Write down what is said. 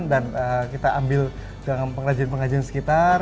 dan kita ambil dengan pengajian pengajian sekitar